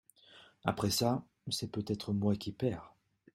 Après ça, c'est peut-être moi qui perds.